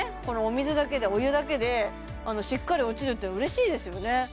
このお水だけでお湯だけでしっかり落ちるっていうのは嬉しいですよね